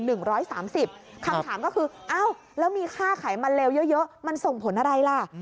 คำถามก็คืออ้าวแล้วมีค่าไขมันเร็วเยอะมันส่งผลอะไรล่ะ